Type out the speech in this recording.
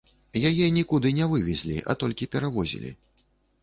Яе нікуды не вывезлі, а толькі перавозілі.